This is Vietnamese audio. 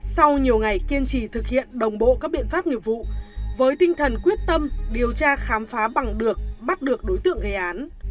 sau nhiều ngày kiên trì thực hiện đồng bộ các biện pháp nghiệp vụ với tinh thần quyết tâm điều tra khám phá bằng được bắt được đối tượng gây án